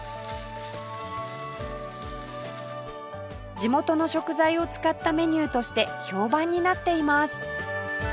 地元の食材を使ったメニューとして評判になっています